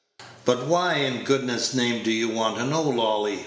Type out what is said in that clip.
"But why, in goodness name, do you want to know, Lolly?"